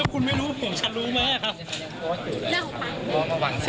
ถ้าคุณไม่รู้ผมฉันรู้แม่ครับเรื่องของฝั่ง